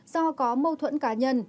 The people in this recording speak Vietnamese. do có mâu thuẫn cá nhân